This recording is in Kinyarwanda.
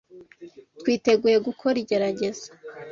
Twiteguye gukora igerageza.